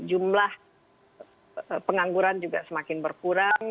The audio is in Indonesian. jumlah pengangguran juga semakin berkurang